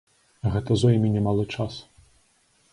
Гэта зойме немалы час.